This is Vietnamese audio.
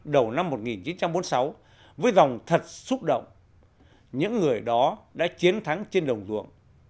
đầu năm một nghìn chín trăm bốn mươi sáu với dòng thật xúc động những người đó đã chiến thắng trên đồng ruộng